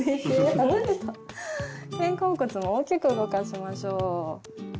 肩甲骨も大きく動かしましょう。